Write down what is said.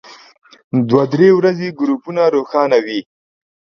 دوه درې ورځې ګروپونه روښانه وي.